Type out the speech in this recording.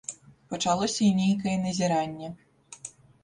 Пачалося і нейкае назіранне.